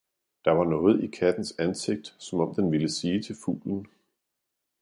Der var noget i kattens ansigt, som om den ville sige til fuglen.